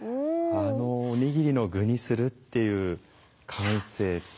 あのおにぎりの具にするっていう感性。